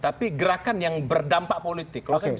tapi gerakan yang berdampak politik